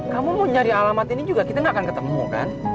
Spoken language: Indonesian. kamu mau nyari alamat ini juga kita gak akan ketemu kan